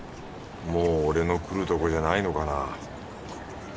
もう俺の来るとこじゃないのかな？